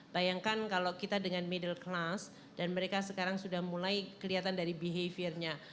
bayangkan kalau kita dengan middle class dan mereka sekarang sudah mulai kelihatan dari behaviornya